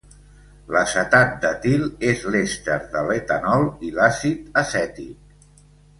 L'acetat d'etil és l'èster de l'etanol i l'àcid acètic.